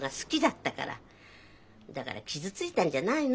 だから傷ついたんじゃないの？